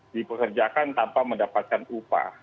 dipekerjakan tanpa mendapatkan upah